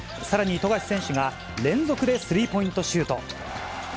さらに富樫選手が連続でスリーポイントシュート。